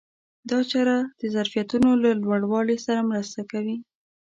دا چاره د ظرفیتونو له لوړاوي سره مرسته کوي.